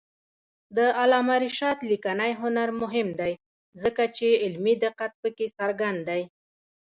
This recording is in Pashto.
د علامه رشاد لیکنی هنر مهم دی ځکه چې علمي دقت پکې څرګند دی.